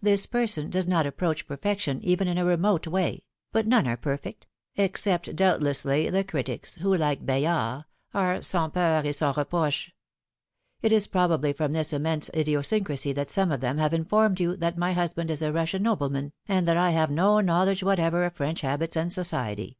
This per son does not approach perfection even in a remote way, but none are perfect — except doubtlessly the critics, who, like Bayard, are sans peur et sans reproclie. It is probably from this immense idiosyncrasy that some of them have informed you that my husband is a Russian nobleman, and that I have no knowledge whatever of French habits and society.